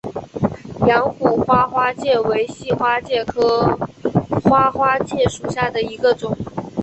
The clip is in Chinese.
阳虎花花介为细花介科花花介属下的一个种。